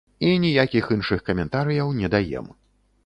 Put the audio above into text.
І ніякіх іншых каментарыяў не даем.